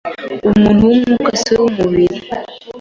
Umuntu wumwukasiwe wumubiri